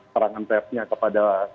sarangan tepnya kepada